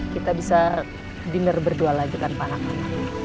kita bisa dinner berdua lagi kan pak rakan